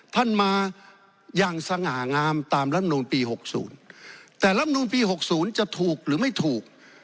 ท่านมาอย่างสง่างามตามลำนูลปี๖๐แต่รับนูลปี๖๐จะถูกหรือไม่ถูก